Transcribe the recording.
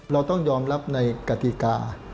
เราต้องยอมรับในกติกา